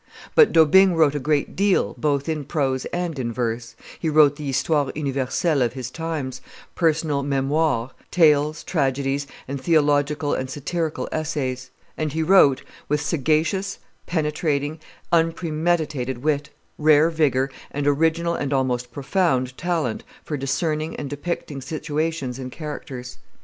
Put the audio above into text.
But D'Aubigne wrote a great deal both in prose and in verse; he wrote the Histoire universelle of his times, personal Memoires, tales, tragedies, and theological and satirical essays; and he wrote with sagacious, penetrating, unpremeditated wit, rare vigor, and original and almost profound talent for discerning and depicting situations and characters.